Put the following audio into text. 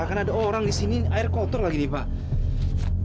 akan ada orang di sini air kotor lagi nih pak